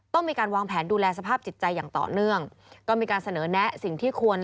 ต้องมีการวางแผนดูแลสภาพจิตใจอย่างต่อเนื่อง